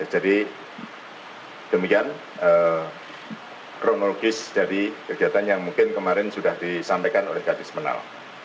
jadi demikian kronologis dari kegiatan yang mungkin kemarin sudah disampaikan oleh gadis menal